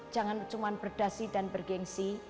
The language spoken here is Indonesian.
jangan cuma berdasi dan bergensi